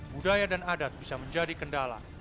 budaya dan adat bisa menjadi kendala